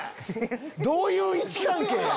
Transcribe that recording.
どういう位置関係？